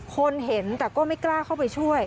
คนเห็นแต่ก็ไม่กล้าเข้าไปช่วย